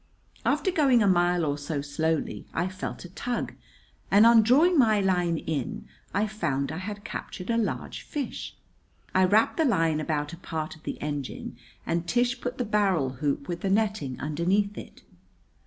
After going a mile or so slowly I felt a tug, and on drawing my line in I found I had captured a large fish. I wrapped the line about a part of the engine and Tish put the barrel hoop with the netting underneath it.